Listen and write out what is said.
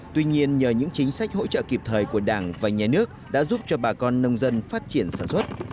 tuy nhiên nhờ những chính sách hỗ trợ kịp thời của đảng và nhà nước đã giúp cho bà con nông dân phát triển sản xuất